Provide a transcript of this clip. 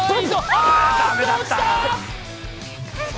あ、落ちた！